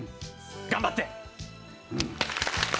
頑張って！